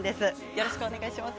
よろしくお願いします。